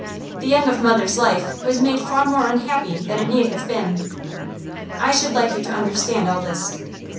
The end of mother's life was made far more unhappy than it need have been. I should like you to understand all this.